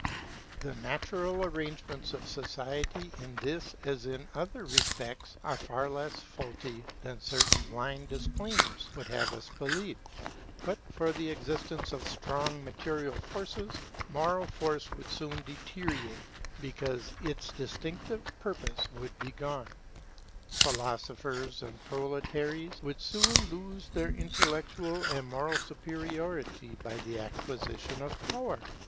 The natural arrangements of society in this as in other respects are far less faulty than certain blind declaimers would have us believe. But for the existence of strong material forces, moral force would soon deteriorate, because its distinctive purpose would be gone. Philosophers and proletaries would soon lose their intellectual and moral superiority by the acquisition of power.